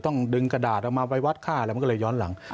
ต้องดึงกระดาษออกมาไปวัดค่าอะไรมันก็เลยย้อนหลัง